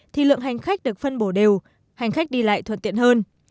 thì lượng hành khách được phân bổ đều hành khách đi lại thuận tiện hơn